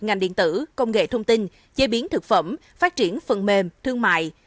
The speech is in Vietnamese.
ngành điện tử công nghệ thông tin chế biến thực phẩm phát triển phần mềm thương mại